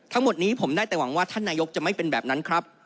ทั้งหมดนี้ผมได้แต่หวังว่าท่านนายกจะไม่เป็นแบบนั้นครับ